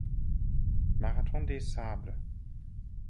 Marathon des Sables.